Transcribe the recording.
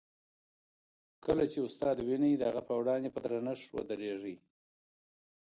کله چي استاد وینئ، د هغه په وړاندې په درنښت ودریږئ.